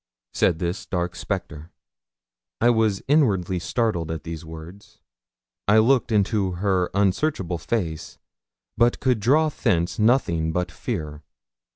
said this dark spectre. I was inwardly startled at these words. I looked into her unsearchable face, but could draw thence nothing but fear.